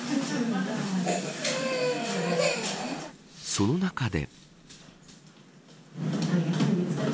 その中で。